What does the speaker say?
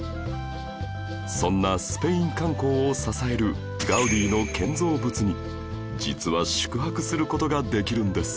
そんなスペイン観光を支えるガウディの建造物に実は宿泊する事ができるんです